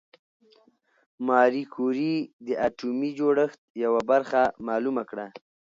ماري کوري د اتومي جوړښت یوه برخه معلومه کړه.